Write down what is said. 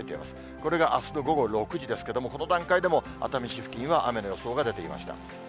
これがあすの午後６時ですけれども、この段階でも熱海市付近は雨の予想が出ていました。